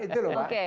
itu loh pak